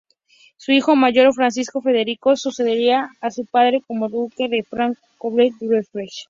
Su hijo mayor, Francisco Federico, sucedería a su padre como Duque de Sajonia-Coburgo-Saalfeld.